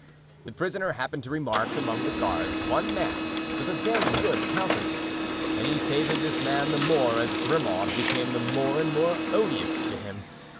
The prisoner happened to remark among the guards one man with a very good countenance; and he favored this man the more as Grimaud became the more and more odious to him.